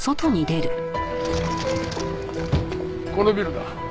このビルだ。